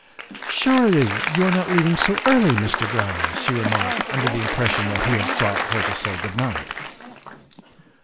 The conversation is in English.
" Surely you are not leaving so early, Mr. Grimes," she remarked, under the impression that he had sought her to say good night.